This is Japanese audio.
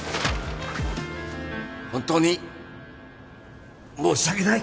本当に申し訳ない！